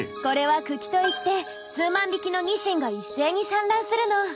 これは「群来」といって数万匹のニシンが一斉に産卵するの。